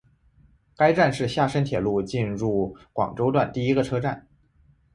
该站是厦深铁路进入广东段第一个车站。